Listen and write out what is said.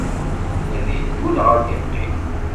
Ad iddu neɣ ad iqqim.